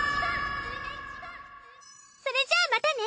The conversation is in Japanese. それじゃあまたね。